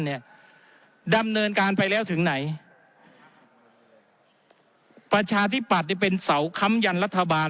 เนี่ยดำเนินการไปแล้วถึงไหนประชาธิปัตย์นี่เป็นเสาค้ำยันรัฐบาล